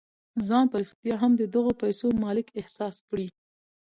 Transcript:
ځان په رښتيا هم د دغو پيسو مالک احساس کړئ.